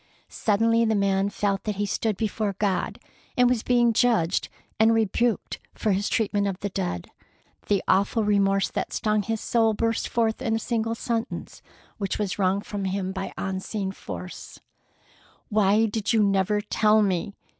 Suddenly the man felt that he stood before God and was being judged and rebuked for his treatment of the dead. The awful remorse that stung his soul burst forth in a single sentence which was wrung from him by an unseen force: "Why did you never tell me?"